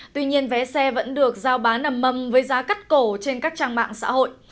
tuy nhiên vé xe vẫn được giao bán nằm mầm với giá cắt cổ trên các trang mạng xã hội